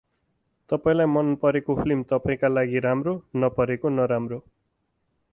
तपाईंलाई मन परेको फिल्म तपाईंका लागि राम्रो, नपरेको नराम्रो ।